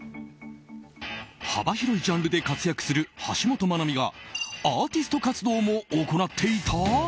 幅広いジャンルで活躍する橋本マナミがアーティスト活動も行っていた？